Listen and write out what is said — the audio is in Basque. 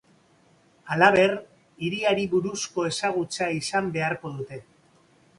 Halaber, hiriari buruzko ezagutza izan beharko dute.